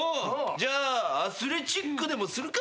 じゃあアスレチックでもするか。